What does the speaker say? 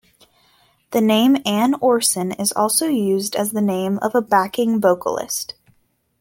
The name Ann Orson is also used as the name of a backing vocalist.